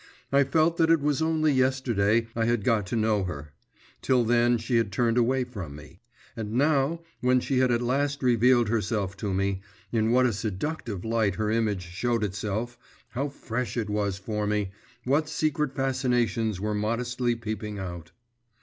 I felt that it was only yesterday I had got to know her; till then she had turned away from me. And now, when she had at last revealed herself to me, in what a seductive light her image showed itself, how fresh it was for me, what secret fascinations were modestly peeping out.